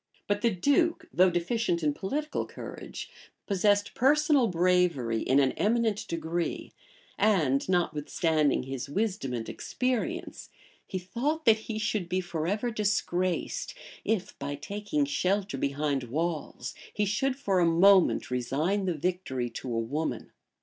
[*] But the duke, though deficient in political courage, possessed personal bravery in an eminent degree; and notwithstanding his wisdom and experience, he thought that he should be forever disgraced, if, by taking shelter behind walls, he should for a moment resign the victory to a woman.